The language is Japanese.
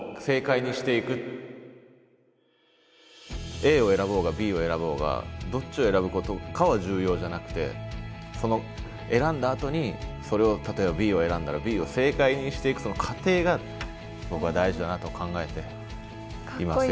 Ａを選ぼうがＢを選ぼうがどっちを選ぶことかは重要じゃなくてその選んだあとにそれを例えばＢを選んだらＢを正解にしていくその過程が僕は大事だなと考えていますよ。